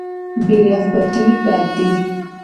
بې رغبتي بد دی.